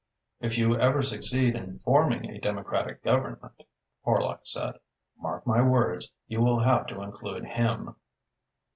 "If you ever succeed in forming a Democratic Government," Horlock said, "mark my words, you will have to include him."